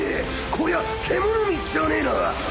こりゃ獣道じゃねえな！